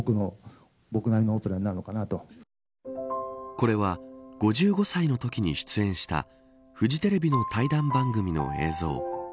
これは５５歳のときに出演したフジテレビの対談番組の映像。